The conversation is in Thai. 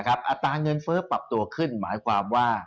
อัตราเงินเฟ้อปรับตัวขึ้นหมายความว่า